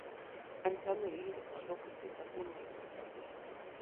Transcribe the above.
Antenų ilgis maždaug kaip pusė kūno ilgio.